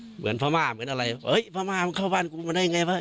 เหมือนพระม่าเหมือนอะไรเฮ้ยพระม่ามันเข้าบ้านกูมันได้ยังไงบ้าง